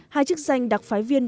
hai chức danh đặc phái viên